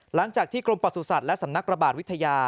หลังจากที่กรมประสุทธิ์และสำนักระบาดวิทยา